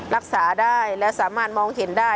รักษาได้และสามารถมองเห็นได้